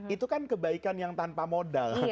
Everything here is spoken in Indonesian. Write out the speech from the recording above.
itu kan kebaikan yang tanpa modal